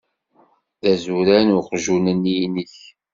D azuran uqjun-nni-inek.